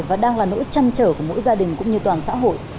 và đang là nỗi chăn trở của mỗi gia đình cũng như toàn xã hội